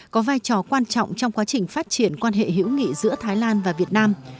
có vai trò quan trọng trong quá trình phát triển quan hệ hữu nghị giữa thái lan và việt nam